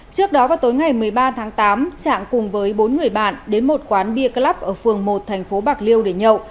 trước đó vào tối ngày một mươi ba tháng tám trạng cùng với bốn người bạn đến một quán bia club ở phường một thành phố bạc liêu để nhậu